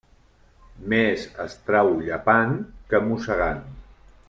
Més es trau llepant que mossegant.